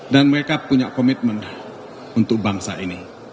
mereka punya komitmen untuk bangsa ini